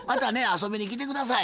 遊びに来て下さい。